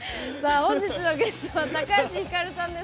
本日のゲストは高橋ひかるさんです。